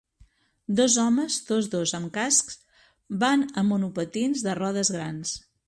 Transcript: Dos homes, tots dos amb cascs, van en monopatins de rodes grans.